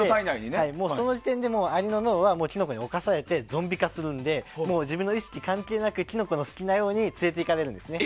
その時点でもうアリの脳はキノコに冒されてゾンビ化するので自分の意識と関係なくキノコの好きなように連れていかれるんですね。